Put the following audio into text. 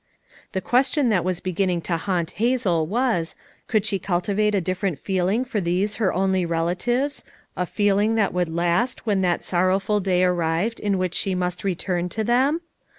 The question that was beginning to haunt Hazel was, could she culti vate a different feeling for these her only rela tives, a feeling that would last when that sorrowful day arrived in which she must return to them?